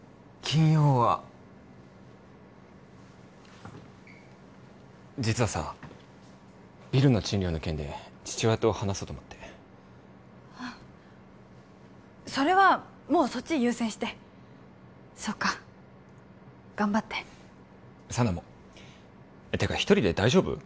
金曜は実はさビルの賃料の件で父親と話そうと思ってあそれはもうそっち優先してそっか頑張って佐奈もていうか１人で大丈夫？